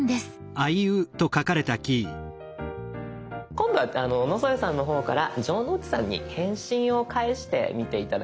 今度は野添さんの方から城之内さんに返信を返してみて頂けるでしょうか。